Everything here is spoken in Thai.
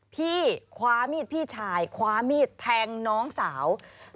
พี่คว้ามีดพี่ชายคว้ามีดแทงน้องสาว